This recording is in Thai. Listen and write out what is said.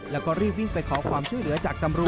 แล้วก็รีบวิ่งไปขอความช่วยเหลือจากตำรวจ